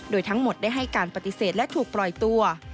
โดยทั้งหมดได้ให้การปฏิเสธและถูกปล่อยตัว